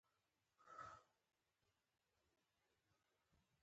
زړه د نرم احساس څپه ده.